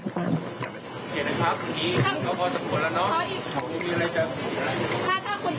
ดูนี้มาแค่ร๒๐๐๔แล้วนะ